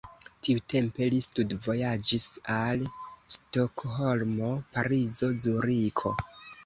Tiutempe li studvojaĝis al Stokholmo, Parizo, Zuriko.